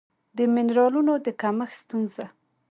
د مېنرالونو د کمښت ستونزه